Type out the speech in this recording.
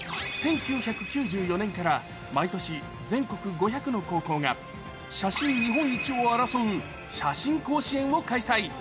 １９９４年から毎年、全国５００の高校が、写真日本一を争う写真甲子園を開催。